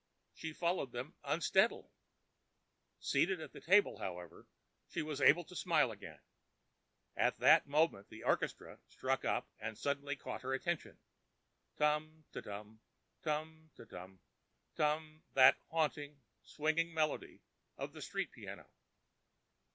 She followed them unsteadily. Seated at a table, however, she was able to smile again. At that moment, the orchestra, striking up, suddenly caught her attention. "Tum—tum tum—tum tum—tum"—that haunting, swinging melody of the street piano.